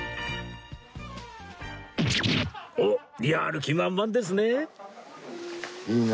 おっやる気満々ですね！